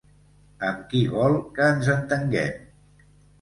Amb qui vol que ens entenguem?